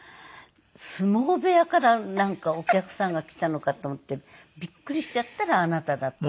相撲部屋からなんかお客さんが来たのかと思ってびっくりしちゃったらあなただったの。